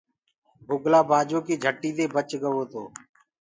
بُگلو بآجو ڪي جھٽي دي بچ گوتو۔